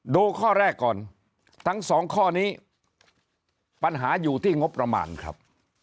ดูข้อแรกก่อนทั้งสองข้อนี้ปัญหาอยู่ที่งบประมาณครับ